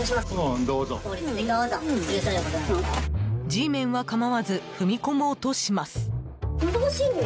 Ｇメンは構わず踏み込もうとします。